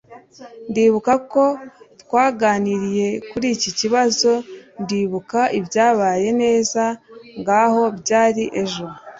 ndibuka ko twaganiriye kuri iki kibazo ndibuka ibyabaye neza nkaho byari ejo